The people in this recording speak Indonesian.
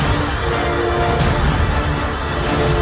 jangan sampai kau kubuat bertukuk lut